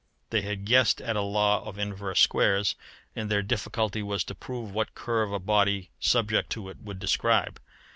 They had guessed at a law of inverse squares, and their difficulty was to prove what curve a body subject to it would describe.